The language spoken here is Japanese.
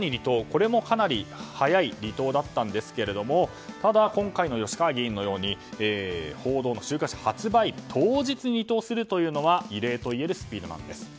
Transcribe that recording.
これも早い離党だったんですがただ、今回の吉川議員のように週刊誌発売当日に離党するというのは異例といえるスピードでした。